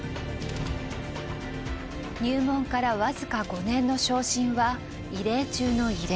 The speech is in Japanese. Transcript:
入門から僅か５年の昇進は異例中の異例。